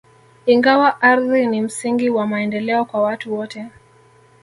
Ingawa ardhi ni msingi wa maendeleo kwa watu wote